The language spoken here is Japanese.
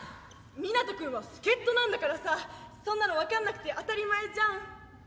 湊斗君は助っ人なんだからさそんなの分かんなくて当たり前じゃん。